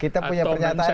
kita punya pernyataan